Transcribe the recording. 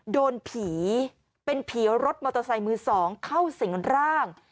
โดนผีเป็นผีรถมอเตอร์ไซค์มือสองเข้าสิ่งร่าง